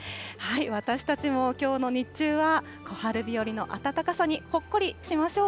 私たちもきょうの日中は、小春日和の暖かさにほっこりしましょう。